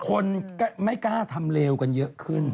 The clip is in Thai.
คนก็ไม่กล้าทำเลวกันเยอะขึ้น